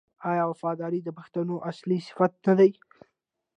آیا وفاداري د پښتون اصلي صفت نه دی؟